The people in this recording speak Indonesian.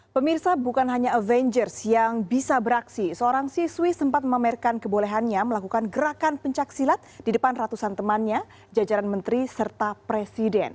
pemirsa bukan hanya avengers yang bisa beraksi seorang siswi sempat memamerkan kebolehannya melakukan gerakan pencaksilat di depan ratusan temannya jajaran menteri serta presiden